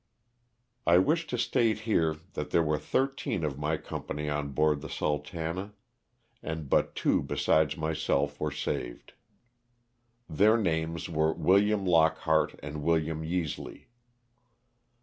I wish to state here that there were thirteen of my company on board tho 'SSultana/* and but two besides myself were saved. Their names were William Lookhart and William Yeisley.